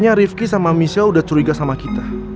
kayaknya rifki sama michelle udah curiga sama kita